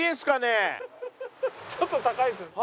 ちょっと高いですよね。